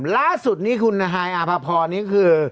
ล่าสุดนี้คุณหายอภพร